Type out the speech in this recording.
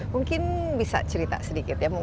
mungkin bisa cerita sedikit ya